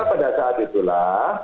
maka pada saat itulah